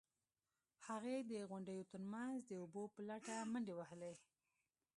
هغې د غونډیو ترمنځ د اوبو په لټه منډې وهلې.